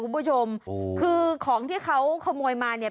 คุณผู้ชมคือของที่เขาขโมยมาเนี่ย